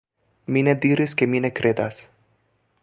Mi ne diris ke mi ne kredas.